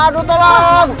aduh si nurman